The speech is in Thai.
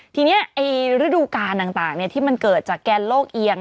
ทีนี้ฤดูการต่างที่มันเกิดจากแกนโลกเอียง